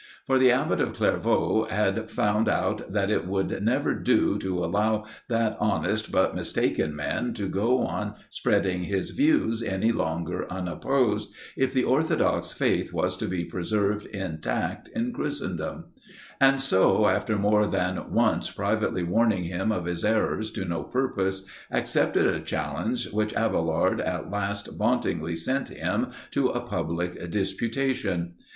For the abbot of Clairvaux had found out that it would never do to allow that honest, but mistaken man to go on spreading his views any longer unopposed, if the orthodox faith was to be preserved intact in Christendom; and so, after more than once privately warning him of his errors to no purpose, accepted a challenge which Abailard at last vauntingly sent him to a public disputation.